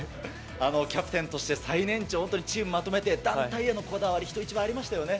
キャプテンとして最年長、本当にチームまとめて、団体へのこだわり、人一倍ありま